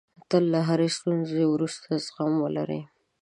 تل له هرې ستونزې وروسته زغم ولرئ.